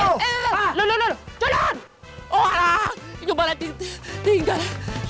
udah jauh coba tinggal